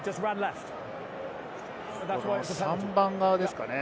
３番側ですか？